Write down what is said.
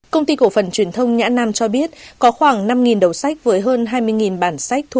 công ty cổ phần truyền thông nhã nam cho biết có khoảng năm đầu sách với hơn hai mươi bản sách thuộc